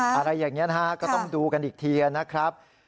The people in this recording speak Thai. อะไรอย่างนี้นะฮะก็ต้องดูกันอีกทีนะครับ